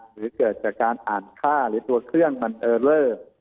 หรือเกิดจากการอ่านค่าหรือตัวเครื่องมันเออเลอร์